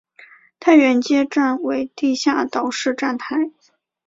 太原街站为地下岛式站台。